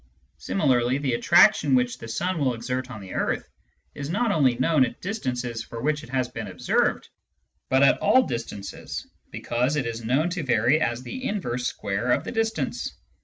Similarly, the attraction which the sun will exert on the earth is not only known at dis tances for which it has been observed, but at all distances, because it is known to vary as the inverse square of the distance.